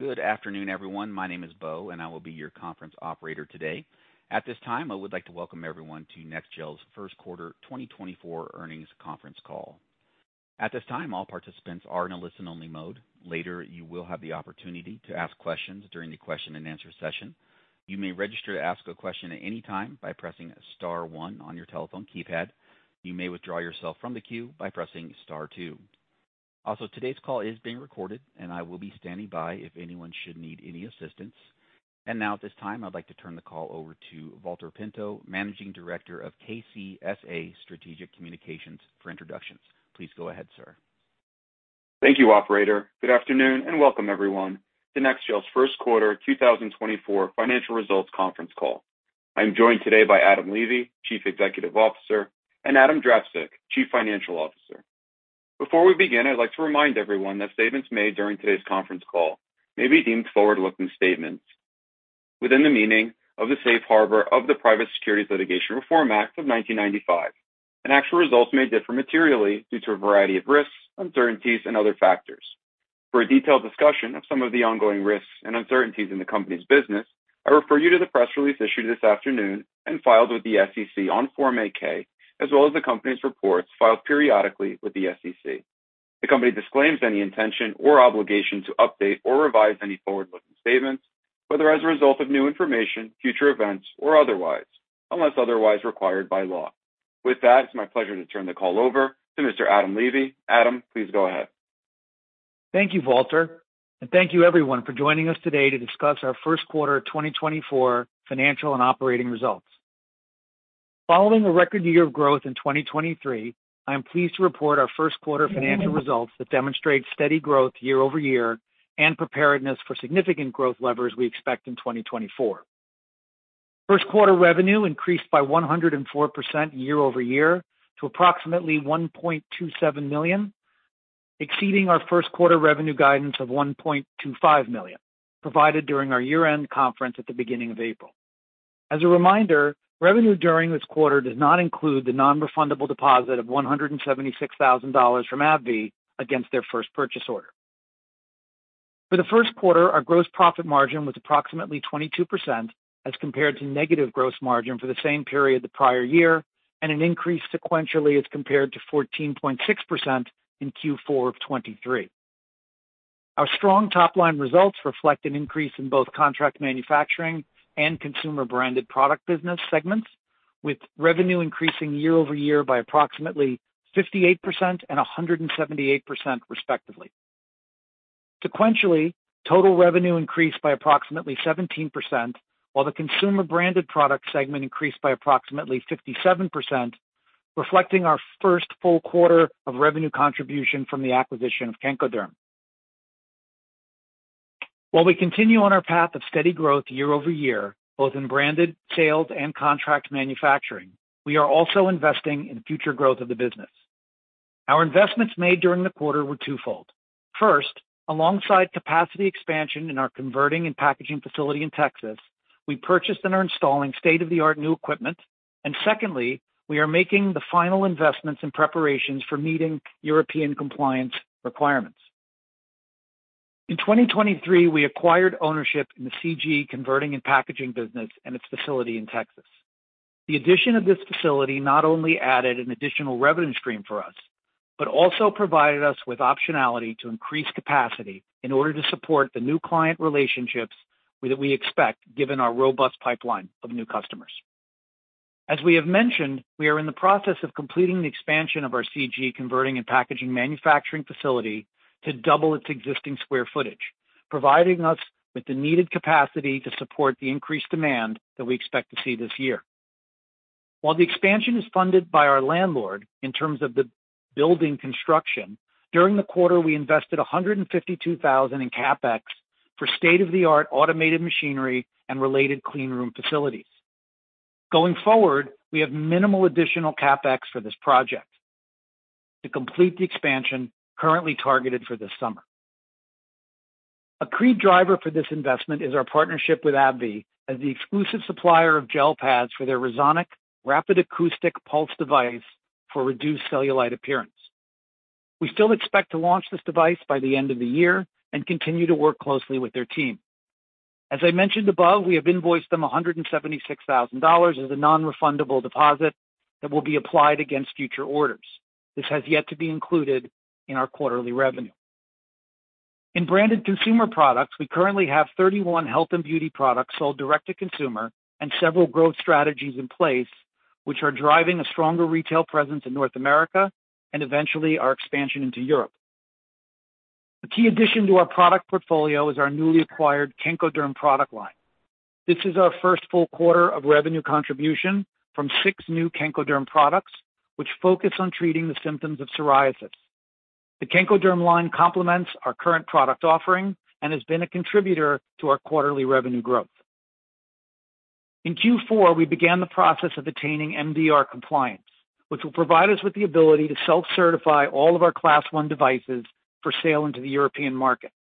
Good afternoon, everyone. My name is Beau, and I will be your conference operator today. At this time, I would like to welcome everyone to NEXGEL's first quarter 2024 earnings conference call. At this time, all participants are in a listen-only mode. Later, you will have the opportunity to ask questions during the question-and-answer session. You may register to ask a question at any time by pressing star one on your telephone keypad. You may withdraw yourself from the queue by pressing star two. Also, today's call is being recorded, and I will be standing by if anyone should need any assistance. And now, at this time, I'd like to turn the call over to Valter Pinto, Managing Director of KCSA Strategic Communications, for introductions. Please go ahead, sir. Thank you, operator. Good afternoon, and welcome everyone to NEXGEL's first quarter 2024 financial results conference call. I'm joined today by Adam Levy, Chief Executive Officer, and Adam Drapczuk, Chief Financial Officer. Before we begin, I'd like to remind everyone that statements made during today's conference call may be deemed forward-looking statements within the meaning of the safe harbor of the Private Securities Litigation Reform Act of 1995, and actual results may differ materially due to a variety of risks, uncertainties, and other factors. For a detailed discussion of some of the ongoing risks and uncertainties in the company's business, I refer you to the press release issued this afternoon and filed with the SEC on Form 8-K, as well as the company's reports filed periodically with the SEC. The company disclaims any intention or obligation to update or revise any forward-looking statements, whether as a result of new information, future events, or otherwise, unless otherwise required by law. With that, it's my pleasure to turn the call over to Mr. Adam Levy. Adam, please go ahead. Thank you, Valter, and thank you everyone for joining us today to discuss our first quarter of 2024 financial and operating results. Following a record year of growth in 2023, I am pleased to report our first quarter financial results that demonstrate steady growth year-over-year and preparedness for significant growth levers we expect in 2024. First quarter revenue increased by 104% year-over-year to approximately $1.27 million, exceeding our first quarter revenue guidance of $1.25 million, provided during our year-end conference at the beginning of April. As a reminder, revenue during this quarter does not include the non-refundable deposit of $176,000 from AbbVie against their first purchase order. For the first quarter, our gross profit margin was approximately 22%, as compared to negative gross margin for the same period the prior year, and an increase sequentially as compared to 14.6% in Q4 of 2023. Our strong top-line results reflect an increase in both contract manufacturing and consumer-branded product business segments, with revenue increasing year-over-year by approximately 58% and 178%, respectively. Sequentially, total revenue increased by approximately 17%, while the consumer-branded product segment increased by approximately 57%, reflecting our first full quarter of revenue contribution from the acquisition of Kenkoderm. While we continue on our path of steady growth year-over-year, both in branded sales and contract manufacturing, we are also investing in future growth of the business. Our investments made during the quarter were twofold. First, alongside capacity expansion in our converting and packaging facility in Texas, we purchased and are installing state-of-the-art new equipment. Secondly, we are making the final investments and preparations for meeting European compliance requirements. In 2023, we acquired ownership in the CG Converting and Packaging business and its facility in Texas. The addition of this facility not only added an additional revenue stream for us but also provided us with optionality to increase capacity in order to support the new client relationships that we expect, given our robust pipeline of new customers. As we have mentioned, we are in the process of completing the expansion of our CG Converting and Packaging manufacturing facility to double its existing square footage, providing us with the needed capacity to support the increased demand that we expect to see this year. While the expansion is funded by our landlord in terms of the building construction, during the quarter, we invested $152,000 in CapEx for state-of-the-art automated machinery and related clean room facilities. Going forward, we have minimal additional CapEx for this project to complete the expansion currently targeted for this summer. A key driver for this investment is our partnership with AbbVie as the exclusive supplier of gel pads for their Resonic Rapid Acoustic Pulse device for reduced cellulite appearance. We still expect to launch this device by the end of the year and continue to work closely with their team. As I mentioned above, we have invoiced them $176,000 as a non-refundable deposit that will be applied against future orders. This has yet to be included in our quarterly revenue. In branded consumer products, we currently have 31 health and beauty products sold direct to consumer and several growth strategies in place, which are driving a stronger retail presence in North America and eventually our expansion into Europe. A key addition to our product portfolio is our newly acquired Kenkoderm product line. This is our first full quarter of revenue contribution from six new Kenkoderm products, which focus on treating the symptoms of psoriasis. The Kenkoderm line complements our current product offering and has been a contributor to our quarterly revenue growth. In Q4, we began the process of attaining MDR compliance, which will provide us with the ability to self-certify all of our Class I devices for sale into the European market.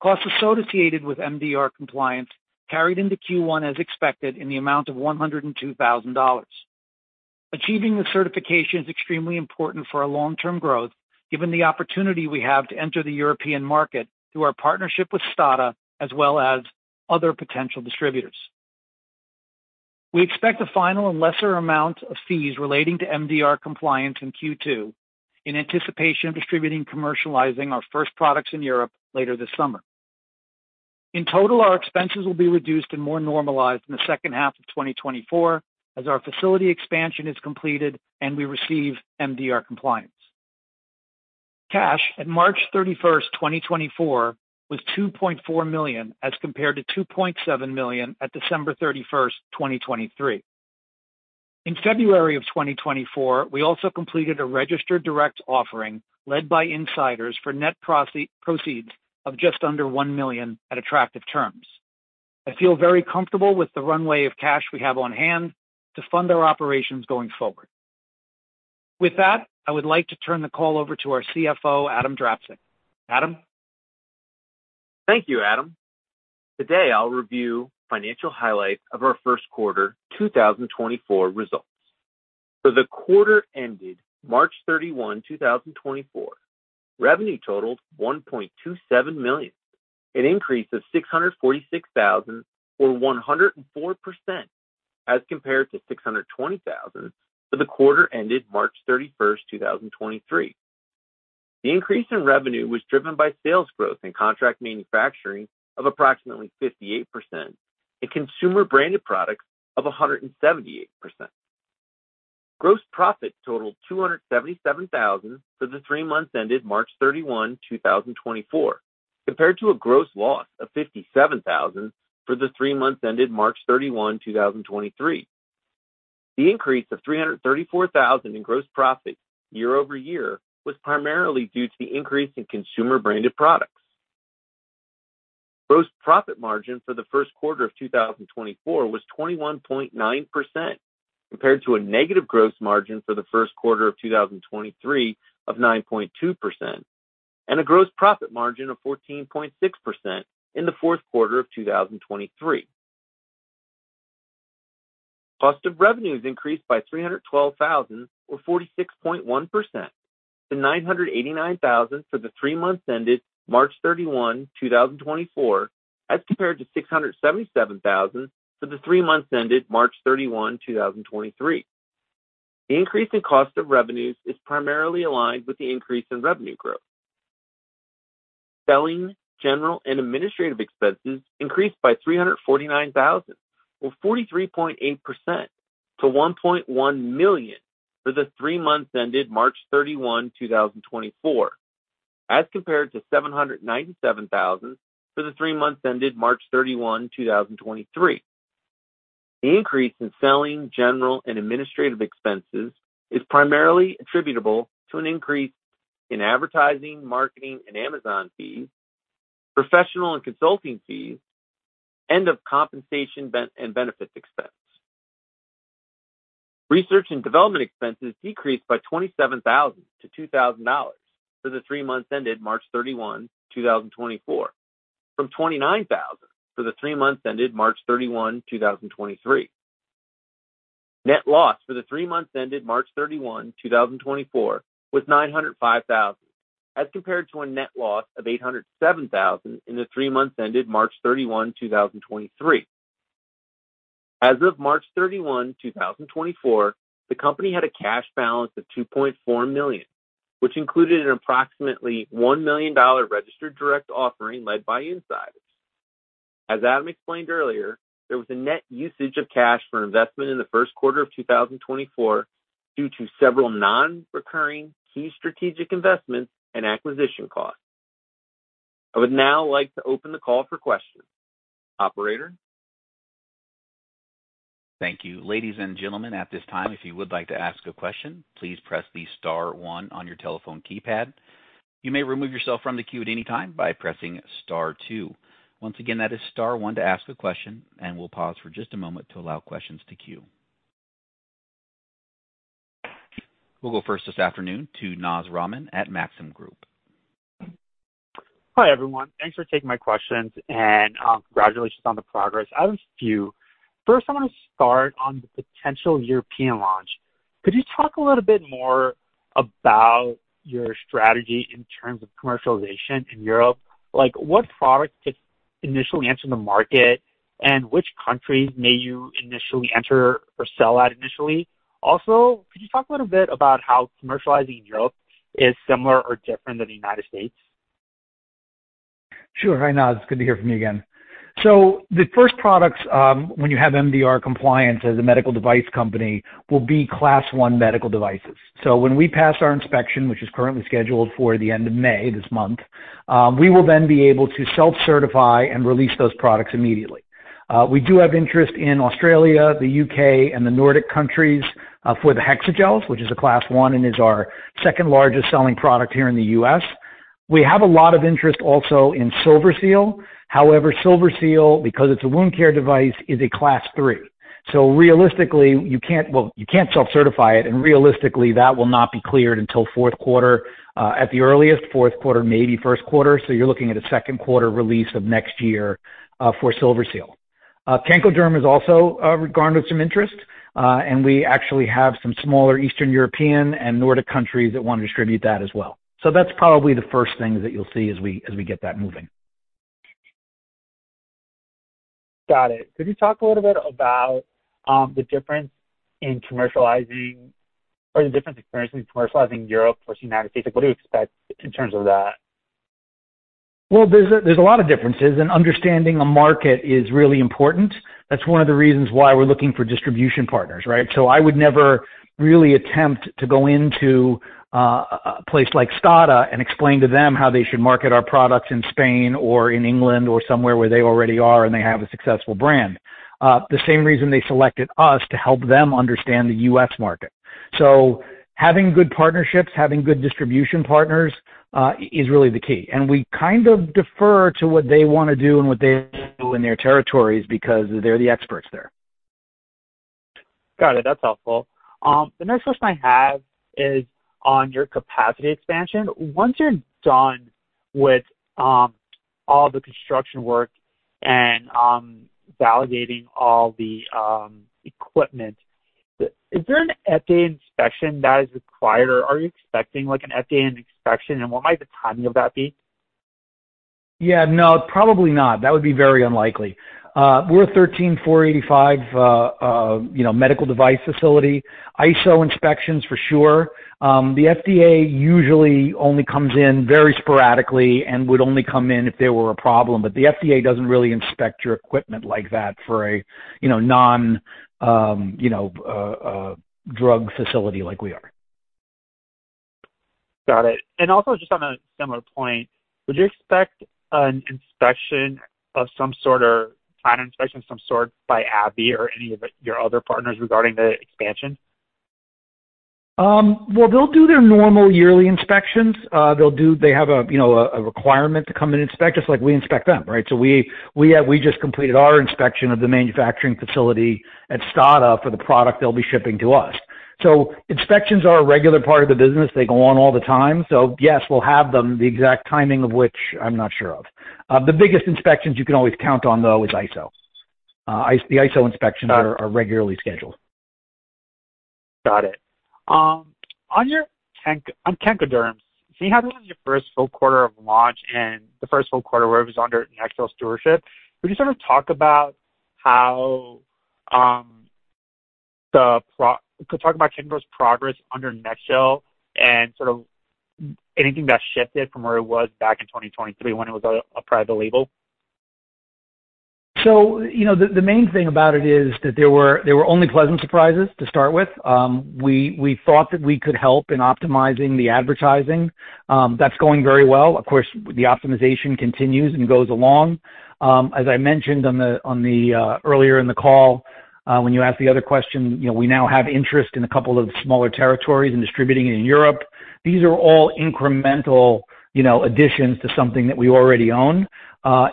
Costs associated with MDR compliance carried into Q1 as expected in the amount of $102,000.... Achieving the certification is extremely important for our long-term growth, given the opportunity we have to enter the European market through our partnership with STADA, as well as other potential distributors. We expect a final and lesser amount of fees relating to MDR compliance in Q2, in anticipation of distributing and commercializing our first products in Europe later this summer. In total, our expenses will be reduced and more normalized in the second half of 2024 as our facility expansion is completed and we receive MDR compliance. Cash at March 31st, 2024, was $2.4 million, as compared to $2.7 million at December 31st, 2023. In February 2024, we also completed a registered direct offering led by insiders for net proceeds of just under $1 million at attractive terms. I feel very comfortable with the runway of cash we have on hand to fund our operations going forward. With that, I would like to turn the call over to our CFO, Adam Drapczuk. Adam? Thank you, Adam. Today, I'll review financial highlights of our first quarter 2024 results. For the quarter ended March 31, 2024, revenue totaled $1.27 million, an increase of $646,000 or 104%, as compared to $620,000 for the quarter ended March 31st, 2023. The increase in revenue was driven by sales growth in contract manufacturing of approximately 58% and consumer branded products of 178%. Gross profit totaled $277,000 for the three months ended March 31, 2024, compared to a gross loss of $57,000 for the three months ended March 31, 2023. The increase of $334,000 in gross profit year over year was primarily due to the increase in consumer branded products. Gross profit margin for the first quarter of 2024 was 21.9%, compared to a negative gross margin for the first quarter of 2023 of 9.2%, and a gross profit margin of 14.6% in the fourth quarter of 2023. Cost of revenues increased by $312,000 or 46.1% to $989,000 for the three months ended March 31, 2024, as compared to $677,000 for the three months ended March 31, 2023. The increase in cost of revenues is primarily aligned with the increase in revenue growth. Selling, general, and administrative expenses increased by $349,000, or 43.8%, to $1.1 million for the three months ended March 31, 2024, as compared to $797,000 for the three months ended March 31, 2023. The increase in selling, general, and administrative expenses is primarily attributable to an increase in advertising, marketing, and Amazon fees, professional and consulting fees, and compensation and benefits expense. Research and development expenses decreased by $27,000 to $2,000 for the three months ended March 31, 2024, from $29,000 for the three months ended March 31, 2023. Net loss for the three months ended March 31, 2024, was $905,000, as compared to a net loss of $807,000 in the three months ended March 31, 2023. As of March 31, 2024, the company had a cash balance of $2.4 million, which included an approximately $1 million registered direct offering led by insiders. As Adam explained earlier, there was a net usage of cash for investment in the first quarter of 2024 due to several non-recurring key strategic investments and acquisition costs. I would now like to open the call for questions. Operator? Thank you. Ladies and gentlemen, at this time, if you would like to ask a question, please press the star one on your telephone keypad. You may remove yourself from the queue at any time by pressing star two. Once again, that is star one to ask a question, and we'll pause for just a moment to allow questions to queue. We'll go first this afternoon to Naz Rahman at Maxim Group. Hi, everyone. Thanks for taking my questions, and, congratulations on the progress. I have a few. First, I want to start on the potential European launch. Could you talk a little bit more about your strategy in terms of commercialization in Europe? Like, what products could initially enter the market, and which countries may you initially enter or sell at initially? Also, could you talk a little bit about how commercializing in Europe is similar or different than the United States? Sure. Hi, Naz. It's good to hear from you again. So the first products, when you have MDR compliance as a medical device company, will be Class I medical devices. So when we pass our inspection, which is currently scheduled for the end of May, this month, we will then be able to self-certify and release those products immediately. We do have interest in Australia, the U.K., and the Nordic countries, for the Hexagels, which is a Class I and is our second-largest selling product here in the U.S. We have a lot of interest also in SilverSeal. However, SilverSeal, because it's a wound care device, is a Class III. So realistically, you can't. Well, you can't self-certify it, and realistically, that will not be cleared until fourth quarter, at the earliest, fourth quarter, maybe first quarter. So you're looking at a second quarter release of next year for SilverSeal. Kenkoderm is also garnered some interest, and we actually have some smaller Eastern European and Nordic countries that want to distribute that as well. So that's probably the first things that you'll see as we, as we get that moving. Got it. Could you talk a little bit about, the difference in commercializing or the different experiences commercializing Europe versus United States? Like, what do you expect in terms of that? Well, there's a lot of differences, and understanding a market is really important. That's one of the reasons why we're looking for distribution partners, right? So I would never really attempt to go into a place like STADA and explain to them how they should market our products in Spain or in England or somewhere where they already are and they have a successful brand. The same reason they selected us to help them understand the U.S. market. So having good partnerships, having good distribution partners, is really the key, and we kind of defer to what they wanna do and what they do in their territories because they're the experts there. Got it. That's helpful. The next question I have is on your capacity expansion. Once you're done with all the construction work and validating all the equipment, is there an FDA inspection that is required, or are you expecting, like, an FDA inspection, and what might the timing of that be? Yeah, no, probably not. That would be very unlikely. We're a ISO 13485, you know, medical device facility. ISO inspections for sure. The FDA usually only comes in very sporadically and would only come in if there were a problem. But the FDA doesn't really inspect your equipment like that for a, you know, non, you know, drug facility like we are. Got it. Also just on a similar point, would you expect an inspection of some sort or plant inspection of some sort by AbbVie or any of the, your other partners regarding the expansion? Well, they'll do their normal yearly inspections. They'll do they have a, you know, requirement to come in and inspect, just like we inspect them, right? So we just completed our inspection of the manufacturing facility at STADA for the product they'll be shipping to us. So inspections are a regular part of the business. They go on all the time. So yes, we'll have them, the exact timing of which I'm not sure of. The biggest inspections you can always count on, though, is ISO. The ISO inspections- Got it. are regularly scheduled. Got it. On Kenkoderm, seeing how this is your first full quarter of launch and the first full quarter where it was under NEXGEL stewardship, could you sort of talk about Kenkoderm's progress under NEXGEL and sort of anything that shifted from where it was back in 2023 when it was a private label? So, you know, the main thing about it is that there were only pleasant surprises to start with. We thought that we could help in optimizing the advertising. That's going very well. Of course, the optimization continues and goes along. As I mentioned on the earlier in the call, when you asked the other question, you know, we now have interest in a couple of smaller territories and distributing it in Europe. These are all incremental, you know, additions to something that we already own.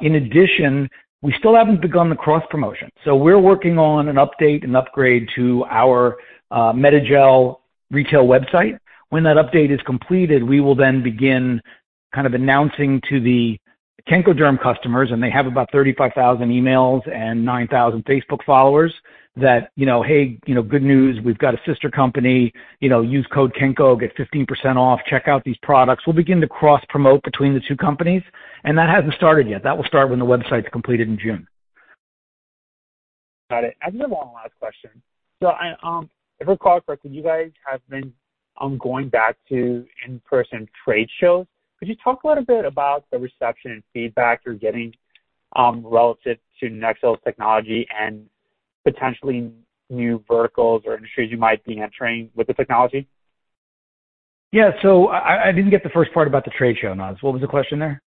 In addition, we still haven't begun the cross promotion, so we're working on an update and upgrade to our MedaGel retail website. When that update is completed, we will then begin kind of announcing to the Kenkoderm customers, and they have about 35,000 emails and 9,000 Facebook followers, that, you know, "Hey, you know, good news, we've got a sister company. You know, use code Kenko, get 15% off. Check out these products." We'll begin to cross-promote between the two companies, and that hasn't started yet. That will start when the website's completed in June. Got it. I just have one last question. So I, I recall correct, you guys have been, going back to in-person trade shows. Could you talk a little bit about the reception and feedback you're getting, relative to NEXGEL's technology and potentially new verticals or industries you might be entering with the technology? Yeah. So I didn't get the first part about the trade show, Naz. What was the question there?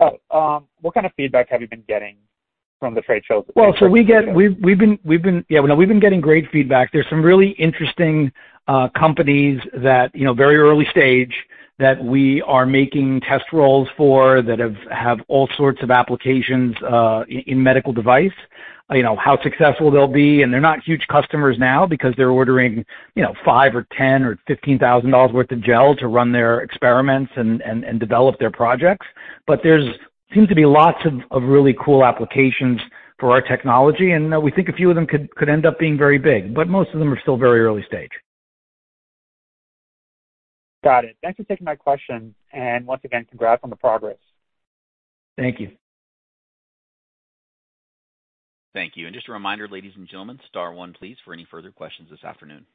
Oh, what kind of feedback have you been getting from the trade shows? Well, we've been getting great feedback. There's some really interesting companies that, you know, very early stage, that we are making test rolls for, that have all sorts of applications in medical device. You know, how successful they'll be, and they're not huge customers now because they're ordering, you know, $5,000 or $10,000 or $15,000 worth of gel to run their experiments and develop their projects. But there's seems to be lots of really cool applications for our technology, and we think a few of them could end up being very big, but most of them are still very early stage. Got it. Thanks for taking my question, and once again, congrats on the progress. Thank you. Thank you. Just a reminder, ladies and gentlemen, star one please, for any further questions this afternoon.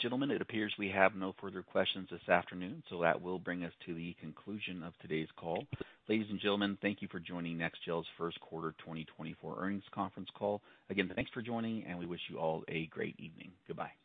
Gentlemen, it appears we have no further questions this afternoon, so that will bring us to the conclusion of today's call. Ladies and gentlemen, thank you for joining NEXGEL's first quarter 2024 earnings conference call. Again, thanks for joining, and we wish you all a great evening. Goodbye.